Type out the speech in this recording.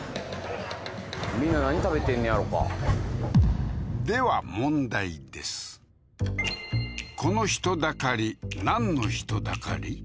みんな何食べてんねやろかではこの人だかりなんの人だかり？